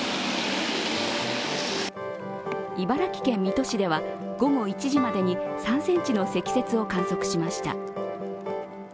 茨城県水戸市では午後１時までに３ｃｍの積雪を観測しました。